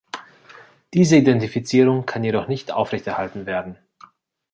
Diese Identifizierung kann jedoch nicht aufrechterhalten werden.